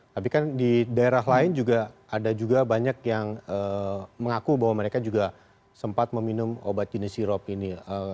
tapi kan di daerah lain juga ada juga banyak yang mengaku bahwa mereka juga sempat meminum obat jenis sirop ini